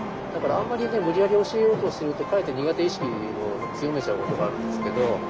だからあんまり無理やり教えようとするとかえって苦手意識を強めちゃうことがあるんですけど。